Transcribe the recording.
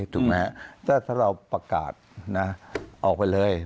ถ้าเราประกาศเนี่ยออกไปเลย